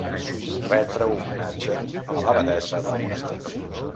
Retre homenatge a l'abadessa del monestir.